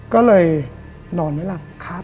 ก็เลยนอนไม่หลับ